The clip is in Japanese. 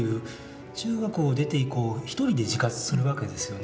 中学を出て以降ひとりで自活するわけですよね。